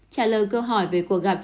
trả lời câu hỏi về cuộc gặp lại